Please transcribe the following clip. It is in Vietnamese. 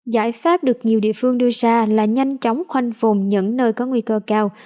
giải pháp được nhiều địa phương đưa ra là nhanh chóng khoanh phùng những nơi có nguy cơ cao